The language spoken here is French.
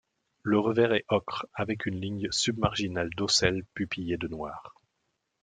Le revers est ocre avec une ligne submarginale d'ocelles pupillés de noir.